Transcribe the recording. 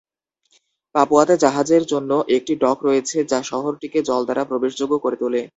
পাপুয়াতে জাহাজের জন্য একটি ডক রয়েছে, যা শহরটিকে জল দ্বারা প্রবেশযোগ্য করে তোলে।